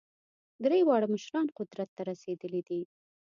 درې واړه مشران قدرت ته رسېدلي دي.